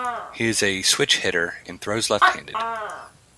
He is a switch hitter and throws left-handed.